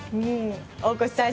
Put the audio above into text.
大越さん